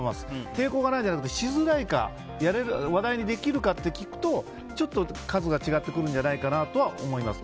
抵抗がないんじゃなくてしづらいか話題にできるかと聞くとちょっと数が違ってくるのではないかと思います。